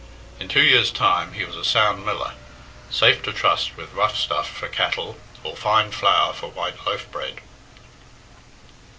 In two years' time he was a sound miller, safe to trust with rough stuff for cattle or fine flour for white loaf bread.